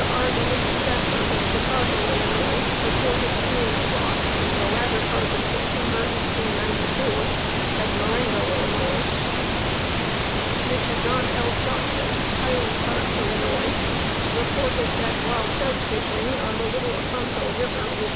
R. W. Stafford of Chicago, Ill., reported seeing a flock in the latter part of September, 1894, at Marengo, Ill. Mr. John L. Stockton, Highland Park, Ill., reported that while trout fishing on the Little Oconto River, Wis.